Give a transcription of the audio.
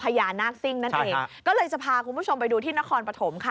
นาคซิ่งนั่นเองก็เลยจะพาคุณผู้ชมไปดูที่นครปฐมค่ะ